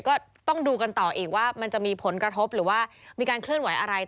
ก็ต้องดูกันต่ออีกว่ามันจะมีผลกระทบหรือว่ามีการเคลื่อนไหวอะไร